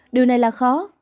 điều này là khó